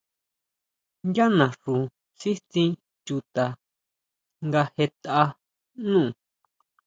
Yá naxu sítsin chuta nga jetʼa nú.